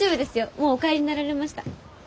もうお帰りになられました。